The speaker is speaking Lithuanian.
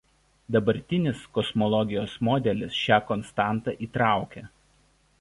Dabartinis kosmologijos modelis šią konstantą įtraukia.